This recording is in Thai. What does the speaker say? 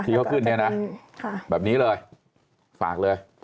ที่เขาขึ้นเนี่ยนะแบบนี้เลยฝากเลย